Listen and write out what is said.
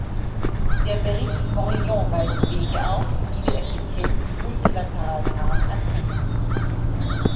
Der Bericht Morillon weist Wege auf, wie wir effizient im multilateralen Rahmen agieren könnten.